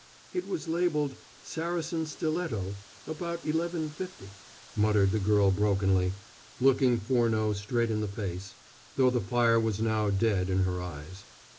"It was labeled 'Saracen Stiletto: about 1150,'" muttered the girl brokenly, looking Furneaux straight in the face, though the fire was now dead in her eyes.